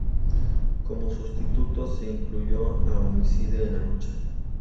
Como sustituto, se incluyó a Homicide en la lucha.